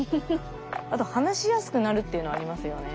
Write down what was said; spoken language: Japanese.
あと話しやすくなるっていうのはありますよね。